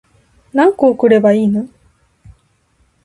何個送ればいいの